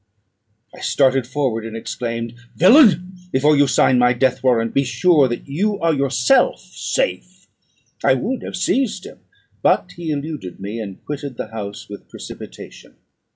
I started forward, and exclaimed, "Villain! before you sign my death warrant, be sure that you are yourself safe." I would have seized him; but he eluded me, and quitted the house with precipitation.